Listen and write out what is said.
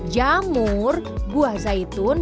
jamur buah zaitun